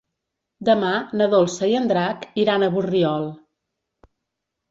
Demà na Dolça i en Drac iran a Borriol.